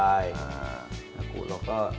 ใบมะกรูดเราก็